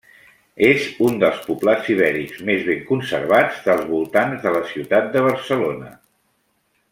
És un dels poblats ibèrics més ben conservats dels voltants de la ciutat de Barcelona.